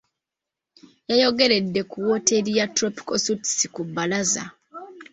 Yayogeredde ku wooteeri ya tropical suites ku Bbalaza.